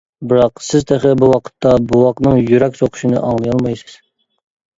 بىراق، سىز تېخى بۇ ۋاقىتتا بوۋاقنىڭ يۈرەك سوقۇشىنى ئاڭلىيالمايسىز.